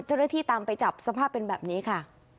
เจ้าหน้าที่ตามไปจับสภาพเป็นแบบนี้ค่ะ